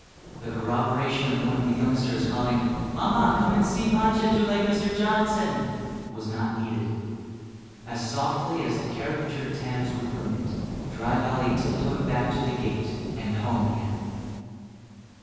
The corroboration of one of the youngsters calling, "Mamma, come and see Pancha do like Mr. Johnson," was not needed. As softly as the caricatured tans would permit, Dry Valley tiptoed back to the gate and home again.